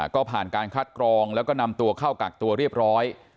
ก็ผ่านการคัดกรองแล้วก็นำตัวเข้ากักตัวเรียบร้อย